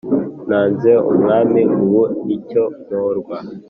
nanze umwami ubu ni cyo mporwa’